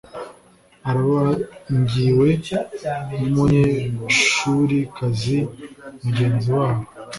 Abarangiwe n’ umunyeshurikazi mugenzi wabo.